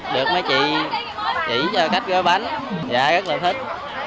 được mấy chị chỉ cho cách gói bánh rất là thích